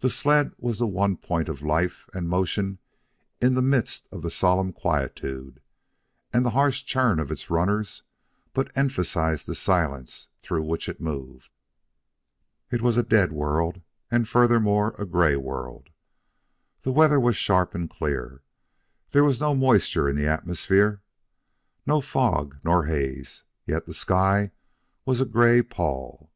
The sled was the one point of life and motion in the midst of the solemn quietude, and the harsh churn of its runners but emphasized the silence through which it moved. It was a dead world, and furthermore, a gray world. The weather was sharp and clear; there was no moisture in the atmosphere, no fog nor haze; yet the sky was a gray pall.